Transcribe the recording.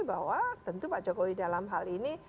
bahwa tentu pak jokowi dalam hal ini